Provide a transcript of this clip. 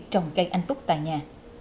trồng cây anh túc tại nhà